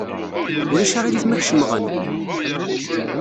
Ulac aɣilif ma kecmeɣ-n?